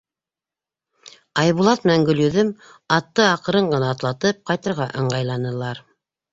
Айбулат менән Гөлйөҙөм, атты аҡрын ғына атлатып, ҡайтырға ыңғайланылар.